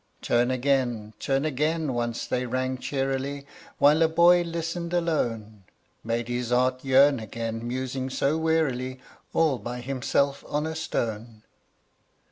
"Turn again, turn again," once they rang cheerily, While a boy listened alone; Made his heart yearn again, musing so wearily All by himself on a stone.